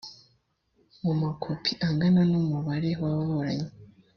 mu makopi angana n umubare w ababuranyi